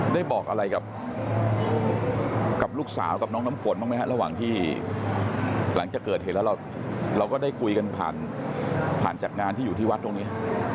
ได้บอกอะไรกับลูกสาวกับน้องน้ำฝนบ้างไหมฮะระหว่างที่หลังจากเกิดเหตุแล้วเราก็ได้คุยกันผ่านจากงานที่อยู่ที่วัดตรงนี้